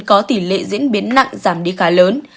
có tỷ lệ diễn biến nặng giảm đi khá lớn